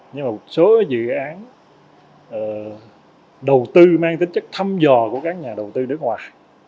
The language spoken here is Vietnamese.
nhưng mà một số dự án đầu tư mang tính chất thăm dò của các nhà đầu tư nước ngoài